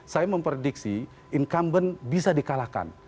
saya memprediksi incumbent bisa di kalahkan